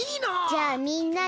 じゃあみんなで。